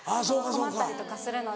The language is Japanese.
困ったりとかするので。